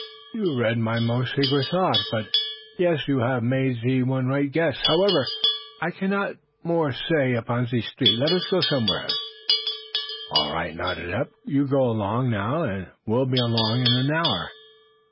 "You read my most secret thought. But yes! You have made ze one right guess. However, I cannot more say upon ze street. Let us go somewhere." "All right," nodded Eph. "You go along, now, and we'll be along in an hour."